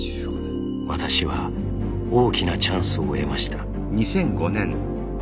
私は大きなチャンスを得ました。